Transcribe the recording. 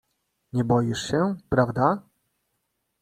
"Nie boisz się, prawda?"